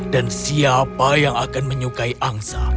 dan siapa yang akan menyukai angsa